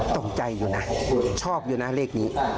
ตกใจอยู่นะชอบอยู่นะเลขนี้